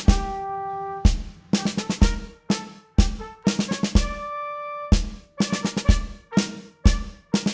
saya harap anda tetap membersihkan diri bisa mempengaruhi semuanya